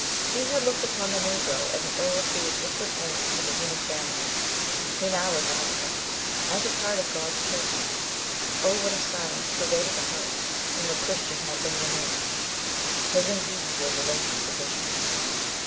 He had looked upon the Negro as an ill treated distant link of the human family; he now regarded them as a part of God's children. Oh, what a silence pervaded the house when the Christian had been removed. His indeed was a lonesome position.